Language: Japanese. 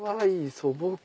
素朴。